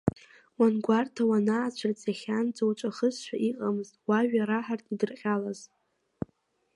Уангәарҭа, уанаацәырҵ иахьанӡа уҵәахызшәа, иҟамызт уажәа раҳартә идырҟьалаз.